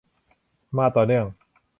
มาต่อเนื่อง